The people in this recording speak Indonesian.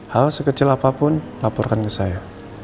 hal sekecil apapun laporkan ke saya